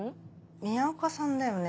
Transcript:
宮岡さんだよね？